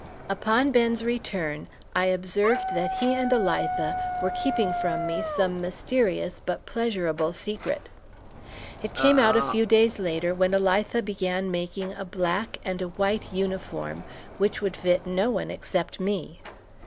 Upon Ben's return, I observed that he and Elitha were keeping from me some mysterious but pleasurable secret. It came out a few days later when Elitha began making a black and a white uniform which would fit no one except me.